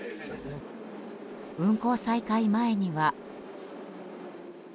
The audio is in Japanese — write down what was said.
運行再開前には。